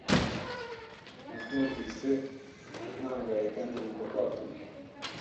Nabyumvise ntangaye kandi ngomba kwatura